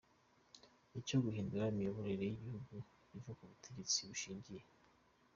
cyo guhindura imiyoborerere y’igihugu ikava k’ubutegetsi bushingiye